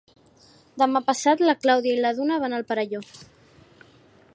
Demà passat na Clàudia i na Duna van al Perelló.